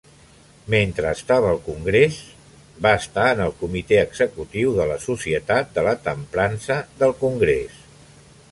Mentre estava al Congrés, va estar en el Comitè Executiu de la societat de la temprança del Congrés.